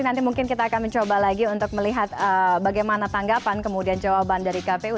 nanti mungkin kita akan mencoba lagi untuk melihat bagaimana tanggapan kemudian jawaban dari kpu